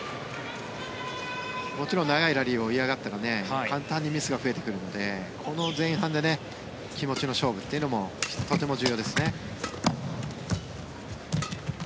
もちろん長いラリーを嫌がったら簡単にミスが増えてくるのでこの前半で気持ちの勝負というのもとても重要ですね。